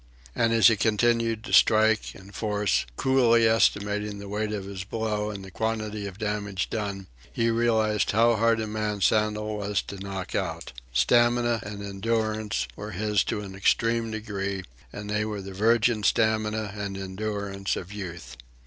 And as he continued to strike and force, coolly estimating the weight of his blows and the quality of the damage wrought, he realized how hard a man Sandel was to knock out. Stamina and endurance were his to an extreme degree, and they were the virgin stamina and endurance of Youth.